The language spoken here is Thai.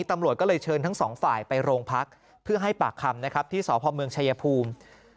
ตำรวจก็เลยเชิญทั้งสองฝ่ายไปโรงพักเพื่อให้ปากคำนะครับที่สพเมืองชายภูมิ